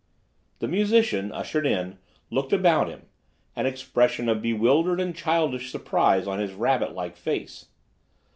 The musician, ushered in, looked about him, an expression of bewildered and childish surprise on his rabbit like face.